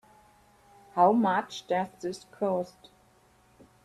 How much does this cost?